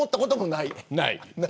ない。